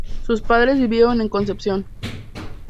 Sus padres vivieron en Concepción.